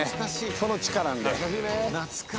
その地下なんで。